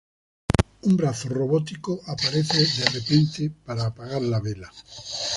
Un brazo robótico aparece de repente para apagar la vela.